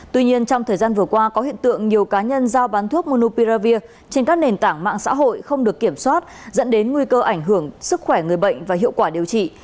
tuy nhiên trong thời gian vừa qua có hiện tượng nhiều cá nhân giao bán thuốc munupiravir trên các nền tảng mạng xã hội không được kiểm soát dẫn đến nguy cơ ảnh hưởng sức khỏe người bệnh và hiệu quả điều trị